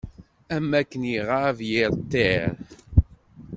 Am akken iɣab yir ṭṭir.